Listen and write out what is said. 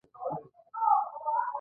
بوم یا ګواټي پکې اوسېدل.